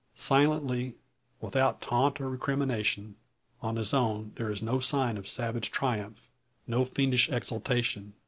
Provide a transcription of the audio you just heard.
Silently, without taunt or recrimination. On his own there is no sign of savage triumph, no fiendish exultation.